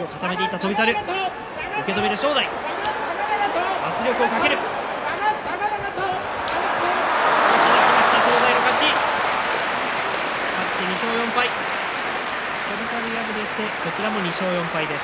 翔猿、敗れてこちらも２勝４敗です。